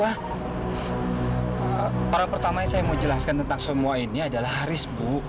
orang pertama yang saya mau jelaskan tentang semua ini adalah haris bu